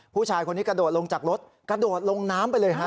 ผู้ชายคนนี้กระโดดลงจากรถกระโดดลงน้ำไปเลยฮะ